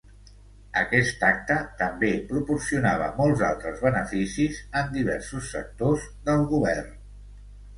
Aquest acte també proporcionava molts altres beneficis en diversos sectors del govern.